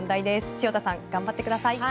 潮田さん頑張ってください。